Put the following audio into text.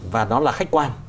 và nó là khách quan